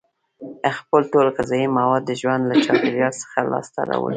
خپل ټول غذایي مواد د ژوند له چاپیریال څخه لاس ته راوړي.